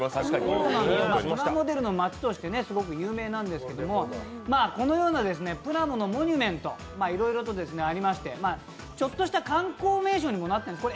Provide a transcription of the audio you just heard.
プラモデルの街としてすごく有名なんですけどもこのようなプラモのモニュメント、いろいろとありましてちょっとした観光名所にもなってるんです。